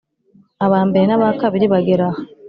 aba mbere n aba kabiri bagera aha